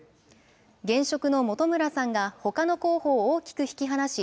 現職の本村さんがほかの候補を大きく引き離し、